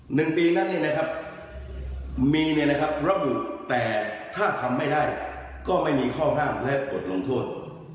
หนึ่งปีนั้นเนี่ยนะครับมีเนี่ยนะครับระบุแต่ถ้าทำไม่ได้ก็ไม่มีข้อห้ามและบทลงโทษ